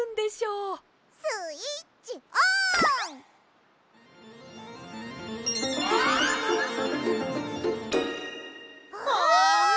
うわ！